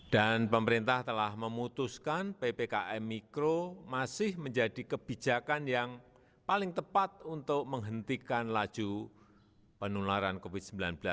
dan pemerintah telah memutuskan ppkm mikro masih menjadi kebijakan yang paling tepat untuk menghentikan laju penularan covid sembilan belas